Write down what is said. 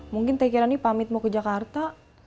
mungkin teh kirani pamit mau ke jakarta